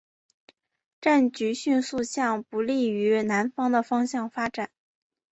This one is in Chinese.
战局迅速向不利于南方的方向发展。